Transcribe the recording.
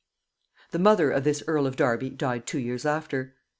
The mother of this earl of Derby died two years after.